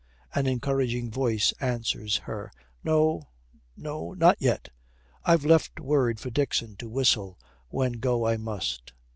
An encouraging voice answers her. 'No, no, not yet. I've left word for Dixon to whistle when go I must.'